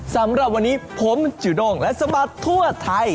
สำหรับวันนี้ผมจุด้งและสมัครทั่วไทย